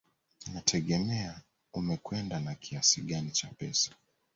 Inategemea umekwenda na kiasi gani cha pesa